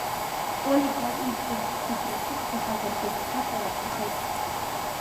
Толи, дад, уҷкәын дықәрахьымӡахазаргьы, хаҵала дҭахеит.